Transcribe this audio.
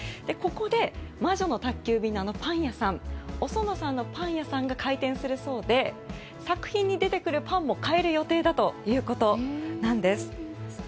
ここで、「魔女の宅急便」のあのパン屋さんおソノさんのパン屋さんが開店するそうで作品に出てくるパンも買える予定だということです。